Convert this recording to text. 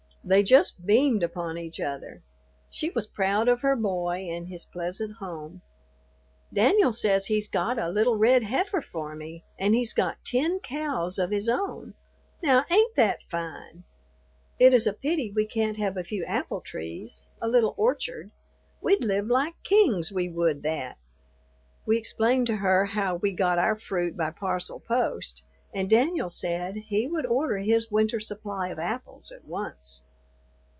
They just beamed upon each other. She was proud of her boy and his pleasant home. "Danyul says he's got a little red heifer for me and he's got ten cows of his own. Now ain't that fine? It is a pity we can't have a few apple trees, a little orchard. We'd live like kings, we would that." We explained to her how we got our fruit by parcel post, and Danyul said he would order his winter supply of apples at once.